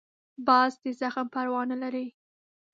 باز د زخم پروا نه لري